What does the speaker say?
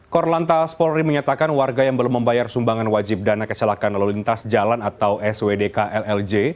korlantas polri menyatakan warga yang belum membayar sumbangan wajib dana kecelakaan lalu lintas jalan atau swdk llj